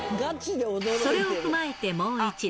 それを踏まえてもう一度。